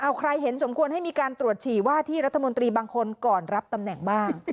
เอาใครเห็นสมควรให้มีการตรวจฉี่ว่าที่รัฐมนตรีบางคนก่อนรับตำแหน่งบ้าง